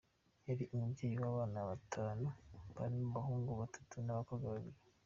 Yari umubyeyi w’abana batanu barimo abahungu batatu n’abakobwa babiri.